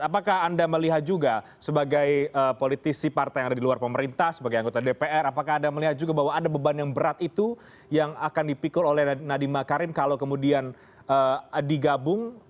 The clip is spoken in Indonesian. apakah anda melihat juga sebagai politisi partai yang ada di luar pemerintah sebagai anggota dpr apakah anda melihat juga bahwa ada beban yang berat itu yang akan dipikul oleh nadiem makarim kalau kemudian digabung